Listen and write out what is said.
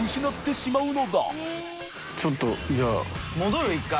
ちょっとじゃあ。